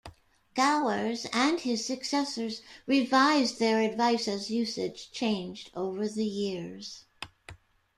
Gowers and his successors revised their advice as usage changed over the years.